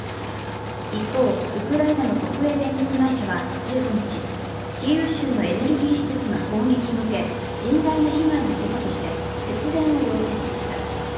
一方、ウクライナの国営電力会社は１５日、キーウ州のエネルギー施設が攻撃を受け甚大な被害が出たとして節電を要請しました。